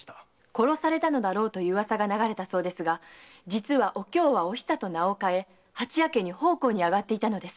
殺されたのだろうと噂が流れましたが実は“お京”は“お久”と名を変え蜂屋家に奉公に上がっていたのです。